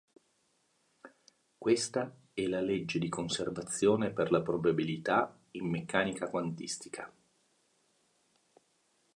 Questa è la legge di conservazione per la probabilità in meccanica quantistica.